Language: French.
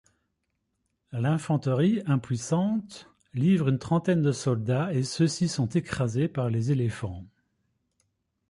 L'infanterie, impuissante, livre une trentaine de soldats et ceux-ci sont écrasés par les éléphants.